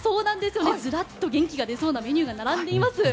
ずらっと元気が出そうなメニューが並んでいます。